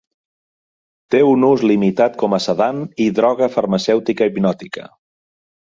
Té un ús limitat com a sedant i droga farmacèutica hipnòtica.